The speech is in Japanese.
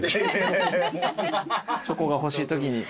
チョコが欲しいときに。